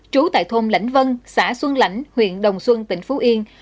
trú tại thôn lãnh vân xã xuân lãnh huyện đồng xuân tỉnh phú yên